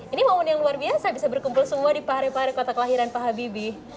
ini momen yang luar biasa bisa berkumpul semua di parepare kota kelahiran pak habibi